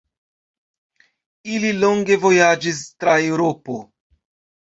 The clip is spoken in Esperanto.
Ili longe vojaĝis tra Eŭropo.